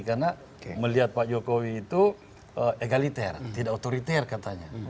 karena melihat pak jokowi itu egaliter tidak otoriter katanya